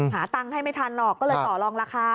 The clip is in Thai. หาตังค์ให้ไม่ทันหรอกก็เลยต่อลองราคา